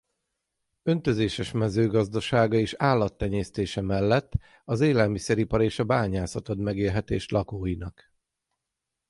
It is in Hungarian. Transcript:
Öntözéses mezőgazdasága és állattenyésztése mellett az élelmiszeripar és a bányászat ad megélhetést lakóinak.